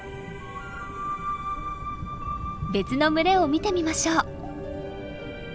別の群れを見てみましょう。